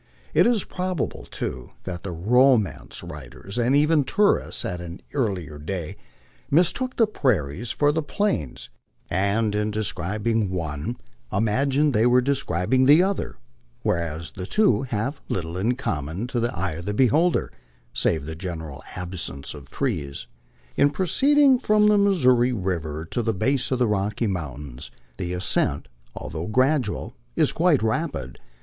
It is probable, too, that romance writers, and even tourists at an ear lier day, mistook the prairies for the Plains, and in describing one imagined they were describing the other ; whereas the two have little in common to the eye of the beholder, save the general absence of trees. In proceeding from the Missouri river to the base of the Rocky Mountains, the ascent, although gradual, is quite rapid.